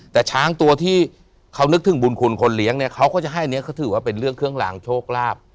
แต่ช้างตัวที่เขานึกถึงบุญคุณคนเลี้ยงเนี่ยเขาก็จะให้อันนี้เขาถือว่าเป็นเรื่องเครื่องลางโชคลาภ